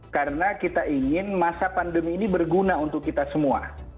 karena kita ingin masa pandemi ini berguna untuk kita semua